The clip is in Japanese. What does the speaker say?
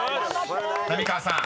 ［浪川さん